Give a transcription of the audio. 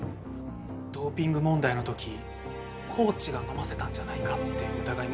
ドーピング問題の時コーチが飲ませたんじゃないかって疑いもかけられたみたいで。